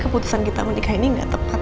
keputusan kita menikah ini tidak tepat